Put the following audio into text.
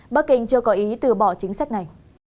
bắc kinh chưa có ý từ bỏ chính sách này